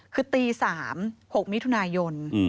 คือตี๓๖มิถุนายน